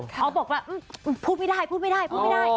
เขาบอกว่าพูดไม่ได้พูดไม่ได้พูดไม่ได้